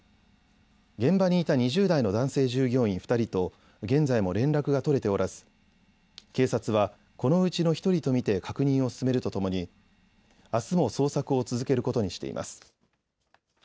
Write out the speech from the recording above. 現場にいた２０代の男性従業員２人と現在も連絡が取れておらず警察はこのうちの１人と見て確認を進めるとともにあすも捜索を続けることにしています。